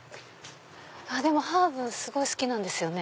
ハーブすごい好きなんですよね。